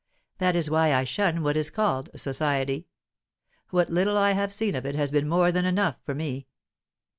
That is why I shun what is called society. What little I have seen of it has been more than enough for me."